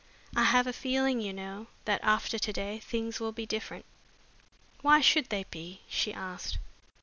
I have a feeling, you know, that after to day things will be different." "Why should they be?" she asked.